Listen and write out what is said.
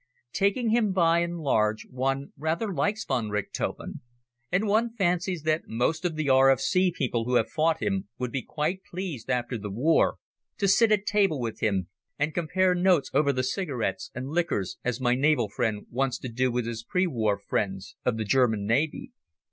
Taking him by and large, one rather likes von Richthofen, and one fancies that most of the R.F.C. people who have fought him would be quite pleased after the war to sit at table with him and compare notes over the cigarettes and liquors, as my Naval friend wants to do with his pre war friends of the German Navy.